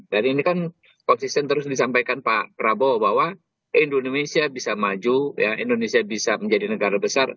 dan ini kan konsisten terus disampaikan pak prabowo bahwa indonesia bisa maju indonesia bisa menjadi negara besar